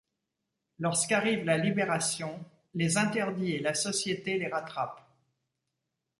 Lorsque arrive la Libération, les interdits et la société les rattrapent.